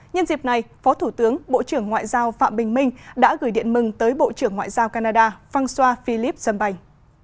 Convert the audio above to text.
nhân dịp này phó thủ tướng bộ trưởng ngoại giao phạm bình minh đã gửi điện mừng tới bộ trưởng ngoại giao canada franca philip dân bành